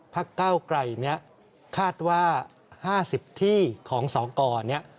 พักเก้าไกลนี้คาดว่า๕๐ที่ของสกนี้